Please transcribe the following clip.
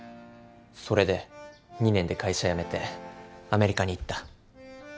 それで２年で会社辞めてアメリカに行った。